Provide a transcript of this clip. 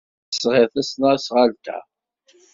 Melmi ay d-tesɣid tasnasɣalt-a?